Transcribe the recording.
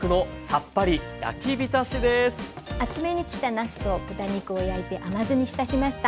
厚めに切ったなすと豚肉を焼いて甘酢に浸しました。